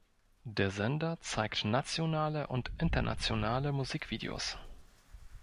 Der Sender zeigt nationale und internationale Musikvideos.